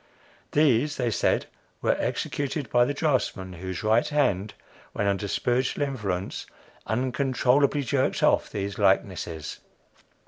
These, they said, were executed by the draftsman, whose right hand, when under spiritual influence, uncontrollably jerked off these likenesses.